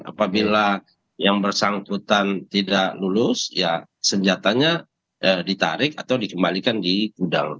apabila yang bersangkutan tidak lulus ya senjatanya ditarik atau dikembalikan di gudang